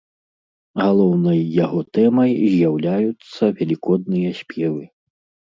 Галоўнай яго тэмай з'яўляюцца велікодныя спевы.